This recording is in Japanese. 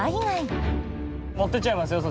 持ってっちゃいますよ？